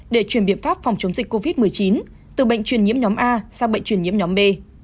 để chuyển biện pháp phòng chống dịch covid một mươi chín từ bệnh truyền nhiễm nhóm a sang bệnh truyền nhiễm nhóm b